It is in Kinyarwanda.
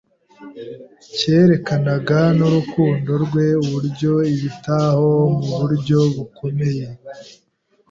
cyerekanaga n’urukundo rwe, uburyo abitaho mu buryo bukomeye